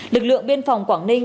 lực lượng biên phòng quảng ninh